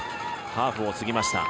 ハーフを過ぎました、